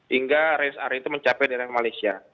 hingga range area itu mencapai dengan malaysia